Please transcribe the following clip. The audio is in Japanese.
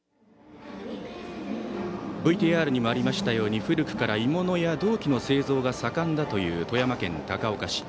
ＶＴＲにもありましたように古くから鋳物や銅器の製造が盛んだという富山県高岡市。